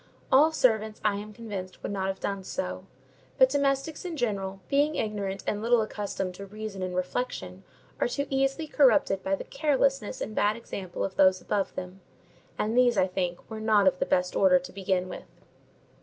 All servants, I am convinced, would not have done so; but domestics in general, being ignorant and little accustomed to reason and reflection, are too easily corrupted by the carelessness and bad example of those above them; and these, I think, were not of the best order to begin with.